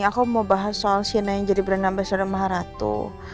aku mau bahas soal sienna yang jadi beranambas dalam maharatu